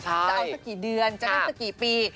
จะเอาสักกี่เดือนจะได้สักกี่ปี